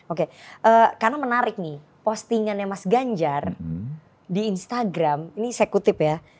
oke karena menarik nih postingannya mas ganjar di instagram ini saya kutip ya